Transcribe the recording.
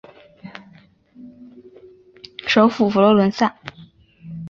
首府佛罗伦萨。